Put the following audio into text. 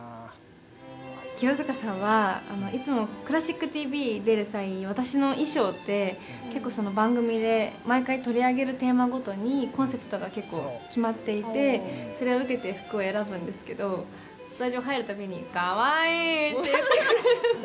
清塚さんは、いつも「クラシックＴＶ」出る際に私の衣装って、結構その番組で毎回取り上げるテーマごとにコンセプトが結構決まっていてそれを受けて服を選ぶんですけどスタジオ入るたびに「かわいい」って言ってくれる。